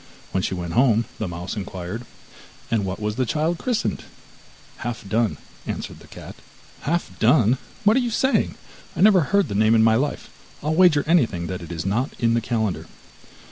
When she went home the mouse inquired: 'And what was the child christened?' 'Half done,' answered the cat. 'Half done! What are you saying? I never heard the name in my life, I'll wager anything it is not in the calendar!